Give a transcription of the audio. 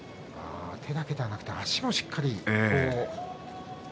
手だけではなく足もしっかりと。